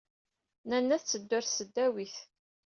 Nanna tetteddu ɣer tesdawit.